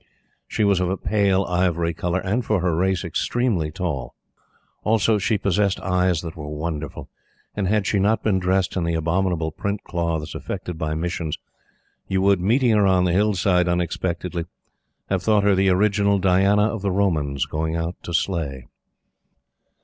She was of a pale, ivory color and, for her race, extremely tall. Also, she possessed eyes that were wonderful; and, had she not been dressed in the abominable print cloths affected by Missions, you would, meeting her on the hill side unexpectedly, have thought her the original Diana of the Romans going out to slay.